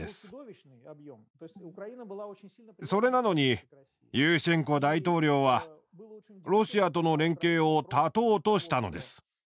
それなのにユーシェンコ大統領はロシアとの連携を断とうとしたのです。